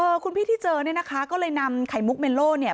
คุณพี่ที่เจอเนี่ยนะคะก็เลยนำไข่มุกเมลโล่เนี่ย